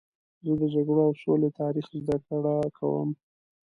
زه د جګړو او سولې تاریخ زدهکړه کوم.